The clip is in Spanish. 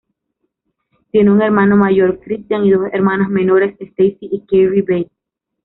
Tiene un hermano mayor, Christian, y dos hermanas menores, Stacy y Carrie Beth.